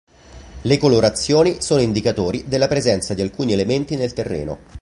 Le colorazioni sono indicatori della presenza di alcuni elementi nel terreno.